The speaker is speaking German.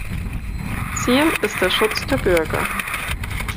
Ziel ist der Schutz der Bürger.